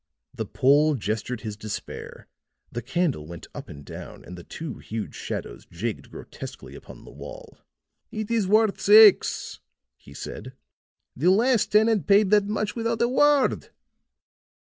The Pole gestured his despair; the candle went up and down and the two huge shadows jigged grotesquely upon the wall. "It is worth six," he said. "The last tenant paid that much without a word."